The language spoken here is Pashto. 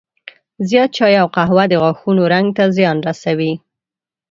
زیات چای او قهوه د غاښونو رنګ ته زیان رسوي.